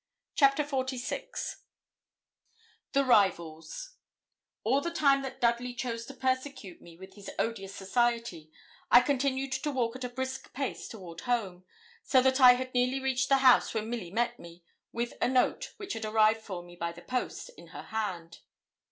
CHAPTER XLVI THE RIVALS All the time that Dudley chose to persecute me with his odious society, I continued to walk at a brisk pace toward home, so that I had nearly reached the house when Milly met me, with a note which had arrived for me by the post, in her hand.